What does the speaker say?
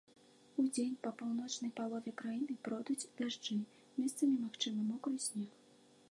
Удзень па паўночнай палове краіны пройдуць дажджы, месцамі магчымы мокры снег.